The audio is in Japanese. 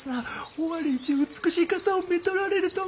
尾張一美しい方をめとられるとは！